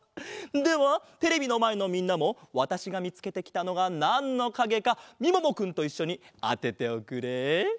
ではテレビのまえのみんなもわたしがみつけてきたのがなんのかげかみももくんといっしょにあてておくれ。